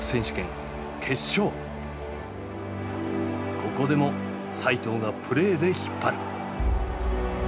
ここでも齋藤がプレーで引っ張る。